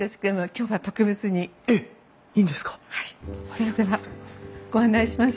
それではご案内しましょう。